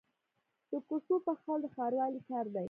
د کوڅو پخول د ښاروالۍ کار دی